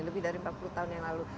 lebih dari empat puluh tahun yang lalu